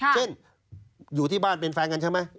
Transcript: เช่นอยู่ที่บ้านเป็นแฟนกันใช่ไหม